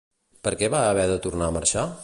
Per què va haver de tornar a marxar?